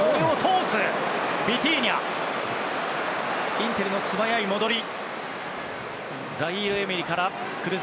インテルの素早い戻り。